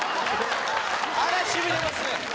あれ、しびれます。